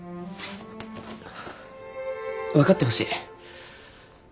分かってほしい。